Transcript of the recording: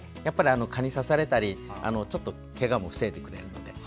蚊に刺されたりちょっとけがも防いでくれるので。